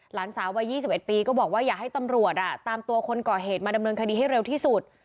หลานสาววัย๒๑ปีก็บอกว่าอยากให้ตำรวจตามตัวคนก่อเหตุมาดำเนินคดีให้เร็วที่สุด